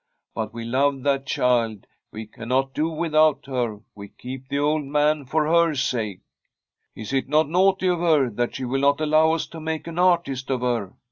But we love that child; we cannot do without her; we keep the old man for her sake.' * Is it not naughty of her that she will not allow us to make an artist of her